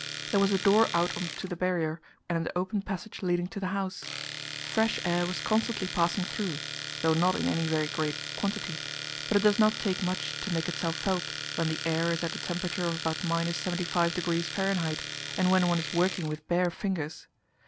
There was a door out on to the Barrier, and an open passage leading to the house. Fresh air was constantly passing through, though not in any very great quantity; but it does not take much to make itself felt when the air is at a temperature of about 75°F., and when one is working with bare fingers.